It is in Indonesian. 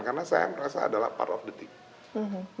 karena saya merasa adalah part of the team